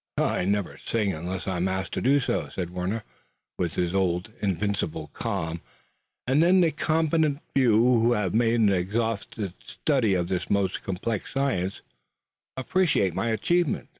"I never sing unless I'm asked to do so," said Warner, with his old invincible calm, "and then the competent few who have made an exhaustive study of this most complex science appreciate my achievement.